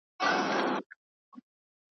د بشریت رھنما، پاک قرآن مې ولټوو